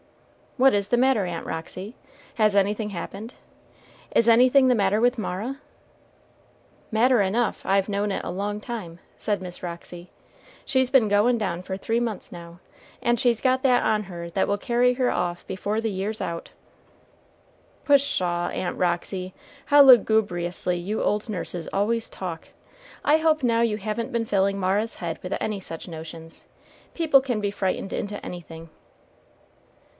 "What is the matter, Aunt Roxy? has anything happened? is anything the matter with Mara?" "Matter enough. I've known it a long time," said Miss Roxy. "She's been goin' down for three months now; and she's got that on her that will carry her off before the year's out." "Pshaw, Aunt Roxy! how lugubriously you old nurses always talk! I hope now you haven't been filling Mara's head with any such notions people can be frightened into anything."